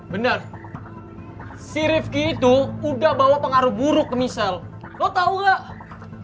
bener si rifki itu udah bawa pengaruh buruk ke misel lo tau gak